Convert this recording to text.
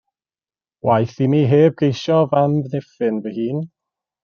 Waeth i mi heb geisio f'amddiffyn fy hun.